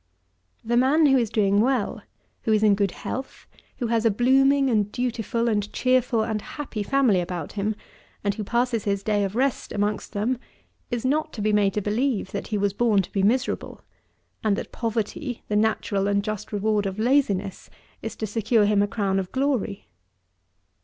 17. The man, who is doing well, who is in good health, who has a blooming and dutiful and cheerful and happy family about him, and who passes his day of rest amongst them, is not to be made to believe, that he was born to be miserable, and that poverty, the natural and just reward of laziness, is to secure him a crown of glory.